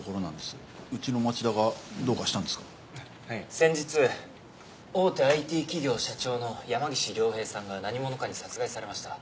先日大手ＩＴ企業社長の山岸凌平さんが何者かに殺害されました。